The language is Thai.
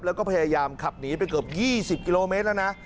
แล้วก็พยายามขับหนีไปเกือบ๒๐กิโลเมตรแล้วนะ